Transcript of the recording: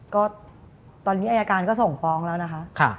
ก็ตอนนี้อายการก็ส่งฟ้องแล้วนะคะ